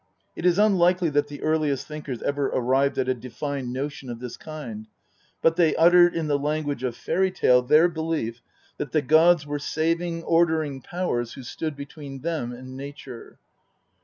It is unlikely that the earliest thinkers ever arrived at a defined notion of this kind, but they uttered in the language of fairy tale their belief that the gods were saving, ordering powers who stood between them and nature.